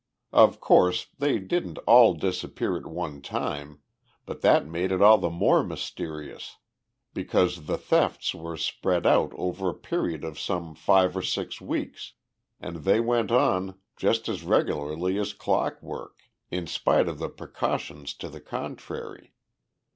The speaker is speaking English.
Of course, they didn't all disappear at one time, but that made it all the more mysterious because the thefts were spread out over a period of some five or six weeks and they went on, just as regularly as clockwork, in spite of the precautions to the contrary.